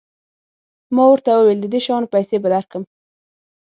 ما ورته وویل د دې شیانو پیسې به درکړم.